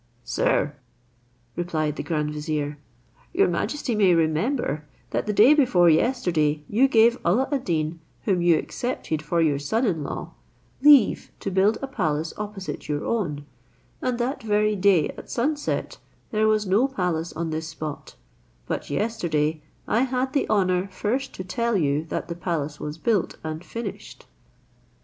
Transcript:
"Sir," replied the grand vizier, "your majesty may remember that the day before yesterday you gave Alla ad Deen, whom you accepted for your son in law, leave to build a palace opposite your own, and that very day at sunset there was no palace on this spot, but yesterday I had the honour first to tell you that the palace was built and finished."